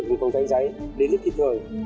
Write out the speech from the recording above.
lực lượng của tôi đánh giáy đến rất kịp thời